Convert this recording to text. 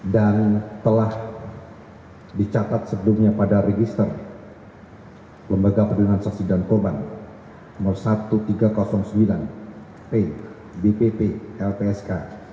dan telah dicatat sebelumnya pada register lembaga pendudukan saksi dan poban no seribu tiga ratus sembilan bpp lpsk